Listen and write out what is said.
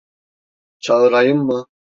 Çağırayım mı?